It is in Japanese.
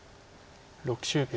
６０秒。